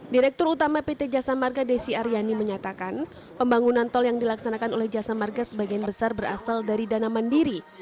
direktur utama pt jasa marga desi aryani menyatakan pembangunan tol yang dilaksanakan oleh jasa marga sebagian besar berasal dari dana mandiri